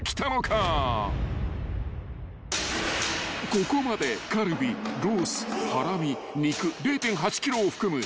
［ここまでカルビロースハラミ肉０．８ｋｇを含む］